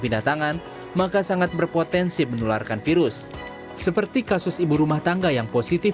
pindah tangan maka sangat berpotensi menularkan virus seperti kasus ibu rumah tangga yang positif